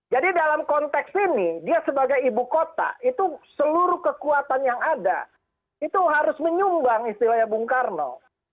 jadi dalam konteks ini dia sebagai ibu kota itu seluruh kekuatan yang ada itu harus menyumbang istilahnya bung karno